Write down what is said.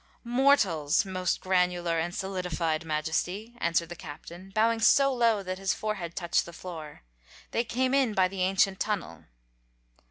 "Mortals, Most Granular and Solidified Majesty," answered the Captain, bowing so low that his forehead touched the floor. "They came in by the ancient tunnel."